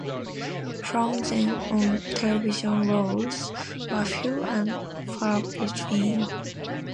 From then on television roles were few and far between.